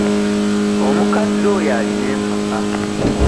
Omukadde oyo alina empaka.